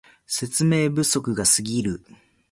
説明不足がすぎる